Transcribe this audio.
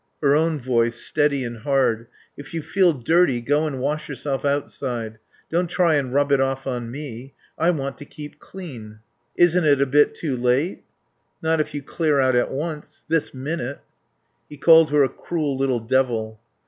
Her own voice, steady and hard. "If you feel dirty, go and wash yourself outside. Don't try and rub it off on me. I want to keep clean." "Isn't it a bit too late?" "Not if you clear out at once. This minute." He called her "a cruel little devil."